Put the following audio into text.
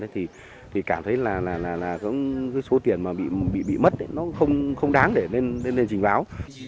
nên là bị lừa thì cảm thấy là số tiền mà bị mất nó không đáng để lên trình báo